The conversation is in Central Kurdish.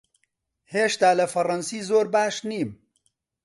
هێشتا لە فەڕەنسی زۆر باش نیم.